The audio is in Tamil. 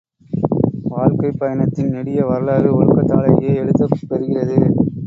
வாழ்க்கைப் பயணத்தின் நெடிய வரலாறு ஒழுக்கத்தாலேயே எழுதப் பெறுகிறது.